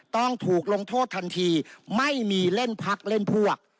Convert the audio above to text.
ต้องถูกลงโทษทันทีไม่มีเล่นพักเล่นพวก